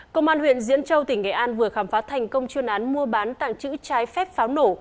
công an huyện diễn châu tỉnh nghệ an vừa khám phá thành công chuyên án mua bán tàng trữ trái phép pháo nổ